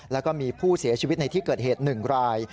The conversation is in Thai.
แล้วก็มีผู้เสียชีวิตในที่เกิดเหตุ๑ราย